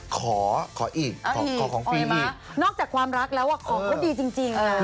ขอขออีกขอของฟรีอีก